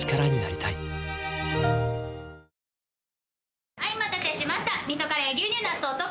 はいお待たせしました！